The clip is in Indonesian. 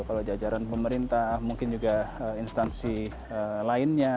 kalau jajaran pemerintah mungkin juga instansi lainnya